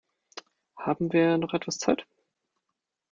Haben wir noch etwas Zeit?